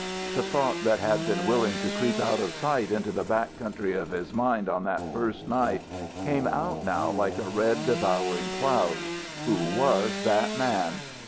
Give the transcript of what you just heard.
The thought that had been willing to creep out of sight into the back country of his mind on that first night came out now like a red, devouring cloud. Who was that man?